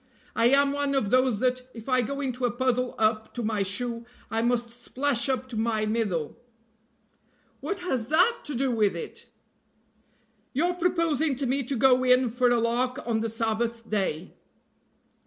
I am one of those that, if I go into a puddle up to my shoe, I must splash up to my middle." "What has that to do with it?" "Your proposing to me to go in for a lark on the Sabbath day.